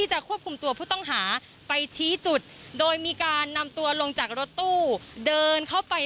จะควบคุมตัวผู้ต้องหาไปชี้จุดโดยมีการนำตัวลงจากรถตู้เดินเข้าไป